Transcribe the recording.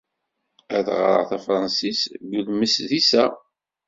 Ad ɣreɣ tafṛensist deg umesdis-a.